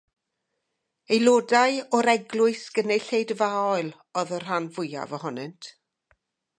Aelodau o'r Eglwys Gynulleidfaol oedd y rhan fwyaf ohonynt.